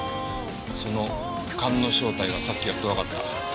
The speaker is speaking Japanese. その勘の正体がさっきやっとわかった。